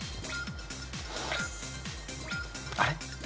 あれ？